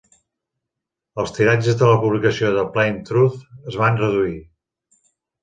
Els tiratges de la publicació "The Plain Truth" es van reduir.